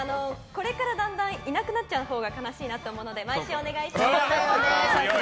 これからだんだんいなくなっちゃうほうが悲しいなと思うので毎週お願いします。